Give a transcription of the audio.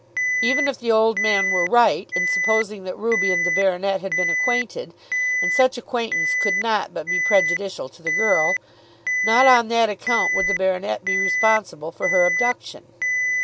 Even if the old man were right in supposing that Ruby and the baronet had been acquainted, and such acquaintance could not but be prejudicial to the girl, not on that account would the baronet be responsible for her abduction.